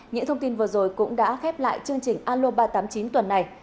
những thông tin vừa rồi cũng đã khép lại chương trình aloba tám mươi chín tuần này